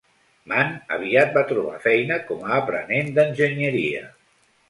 Mann aviat va trobar feina com a aprenent d'enginyeria.